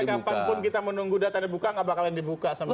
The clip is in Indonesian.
sampai kapan pun kita menunggu data dibuka nggak bakalan dibuka sama dia